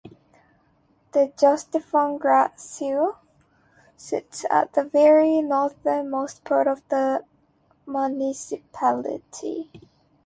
The Jostefonn glacier sits at the very northernmost part of the municipality.